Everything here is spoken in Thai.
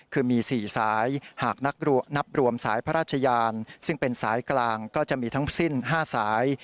คือมี๔สายหากนับรวมสายพระราชยานซึ่งเป็นสายกลางก็จะมีทั้งสิ้น๕สาย